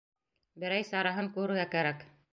Берәй сараһын күрергә кәрәк.